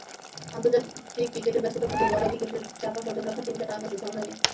আন্তর্জাতিক ক্রিকেটের ব্যস্ততার মধ্যেও ঘরোয়া ক্রিকেটের চাকা সচল রাখার চিন্তাটা আদর্শ, সন্দেহ নেই।